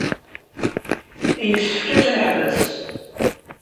Yessefk ad ten-neḥbes.